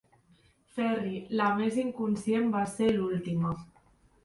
Ferri la més inconscient va ser l'última.